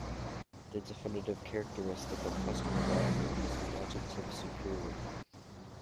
The definitive characteristic of customer value is the adjective, superior.